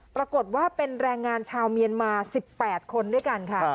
ปรากฏว่าเป็นแรงงานชาวเมียนมา๑๘คนด้วยกันค่ะ